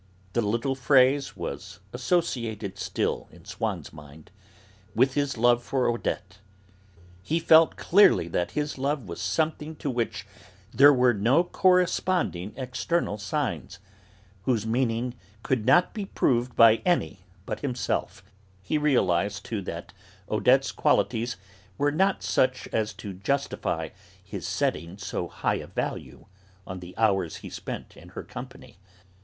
The little phrase was associated still, in Swann's mind, with his love for Odette. He felt clearly that this love was something to which there were no corresponding external signs, whose meaning could not be proved by any but himself; he realised, too, that Odette's qualities were not such as to justify his setting so high a value on the hours he spent in her company.